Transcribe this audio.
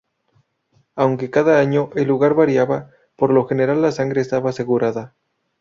Aunque cada año el lugar variaba, por lo general la sangre estaba asegurada.